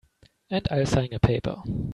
And I'll sign a paper.